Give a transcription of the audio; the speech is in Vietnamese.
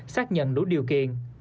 xác nhận đủ điều kiện